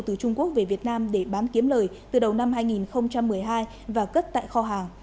từ trung quốc về việt nam để bán kiếm lời từ đầu năm hai nghìn một mươi hai và cất tại kho hàng